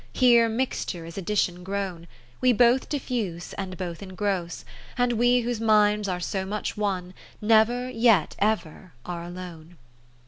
Here mixture is addition grown ; We both diffuse, and both ingross : And we whose minds are so much one. Never, yet ever are alone.